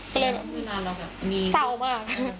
เมื่อนานเราก็เซามาก